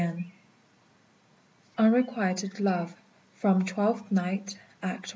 UNREQUITED LOVE. FROM "TWELFTH NIGHT," ACT I.